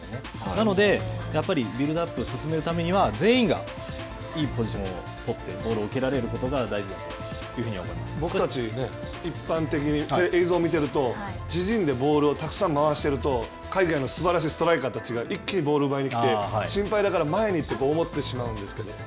なので、やっぱりビルドアップを進めるためには、全員が、いいポジションを取ってボールを受けら僕たち一般的に映像を見ていると自陣でボールをたくさん回していると海外のすばらしいストライカーたちが一気にボールを奪いに来て、心配だから前にとか思ってしまうんですけど。